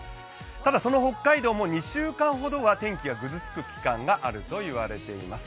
ただ、その北海道も２週間ほどは天気がぐずつく期間があると言われています。